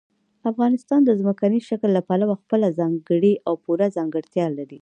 افغانستان د ځمکني شکل له پلوه خپله ځانګړې او پوره ځانګړتیا لري.